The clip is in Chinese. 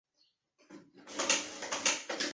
彼得一世奉行伊什特万一世的积极外交政策。